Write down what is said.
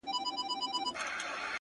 د ښار په جوارگرو باندي واوښتلې گراني “